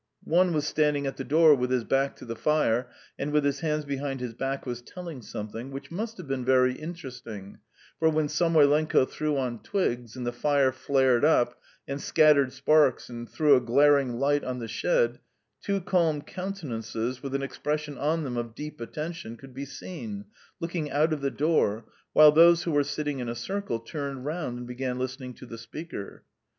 One was standing at the door with his back to the fire, and with his hands behind his back was telling something, which must have been very interesting, for when Samoylenko threw on twigs and the fire flared up, and scattered sparks and threw a glaring light on the shed, two calm countenances with an expression on them of deep attention could be seen, looking out of the door, while those who were sitting in a circle turned round and began listening to the speaker.